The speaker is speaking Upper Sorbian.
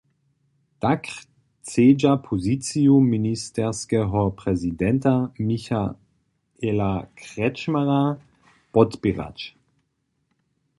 Tak chcedźa poziciju ministerskeho prezidenta Michaela Kretschmera podpěrać.